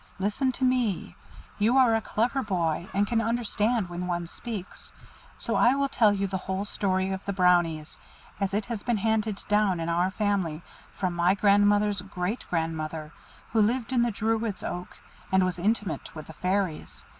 "Listen to me, you are a clever boy, and can understand when one speaks; so I will tell you the whole history of the Brownies, as it has been handed down in our family from my grandmother's great grandmother, who lived in the Druid's Oak, and was intimate with the fairies.